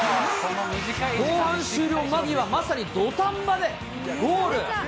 後半終了間際、まさに土壇場でゴール。